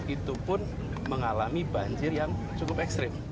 itu pun mengalami banjir yang cukup ekstrim